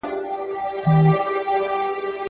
انګرېزان جنگ ته اړ سول.